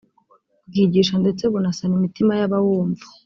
bwigisha ndetse bunasana imitima y’abawumva